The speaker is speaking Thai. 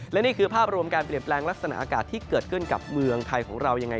และนี่คือภาพรวมการเปลี่ยนแปลงลักษณะอากาศที่เกิดขึ้นกับเมืองไทยของเรายังไง